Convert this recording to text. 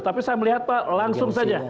tapi saya melihat pak langsung saja